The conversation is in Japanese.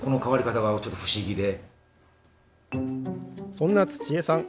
そんな土江さん